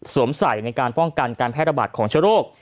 สวมใสในการป้องกันการแพร่ระบาดของชะโลก